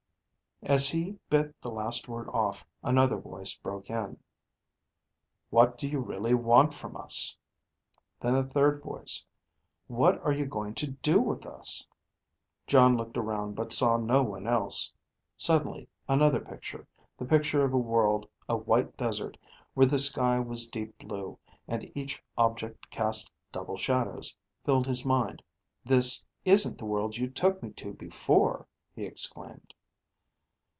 As he bit the last word off, another voice broke in. "What do you really want from us?" Then a third voice. "What are you going to do with us?" Jon looked around but saw no one else. Suddenly another picture, the picture of a world of white desert where the sky was deep blue and each object cast double shadows, filled his mind. "This isn't the world you took me to before ..." he exclaimed.